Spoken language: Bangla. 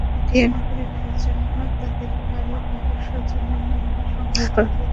ডিএনএ পরীক্ষার জন্য তাঁদের কারও কারও স্বজনের নমুনা সংগ্রহ করা হয়েছে।